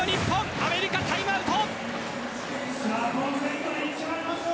アメリカ、タイムアウト。